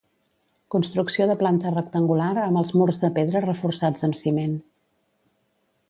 Construcció de planta rectangular, amb els murs de pedra reforçats amb ciment.